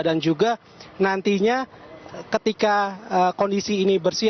dan juga nantinya ketika kondisi ini bersih